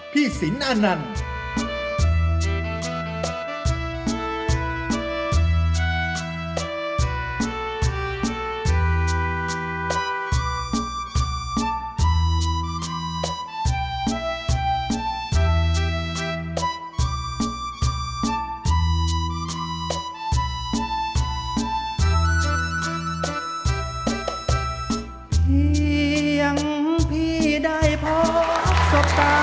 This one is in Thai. เพียงพี่ได้พบสกา